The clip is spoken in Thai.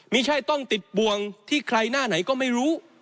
ไม่ใช่ต้องติดบ่วงที่ใครหน้าไหนก็ไม่รู้